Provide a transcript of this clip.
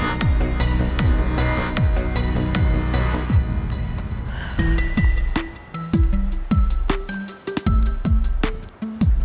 kamu selesain draft kontrak itu sekarang